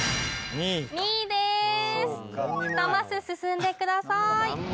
２マス進んでください